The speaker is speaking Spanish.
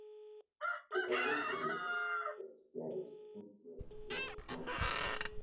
Está construida con sillares muy bien cortados.